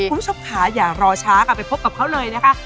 คุณผู้ชมค่ะอย่ารอช้าค่ะไปพบกับเขาเลยนะคะ